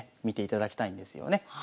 見ていただきたいんですよね。